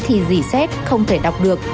thì rỉ xét không thể đọc được